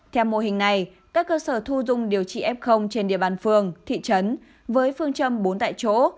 theo mô hình này các cơ sở thu dung điều trị f trên địa bàn phường thị trấn với phương châm bốn tại chỗ